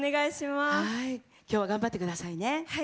きょうは頑張ってくださいね。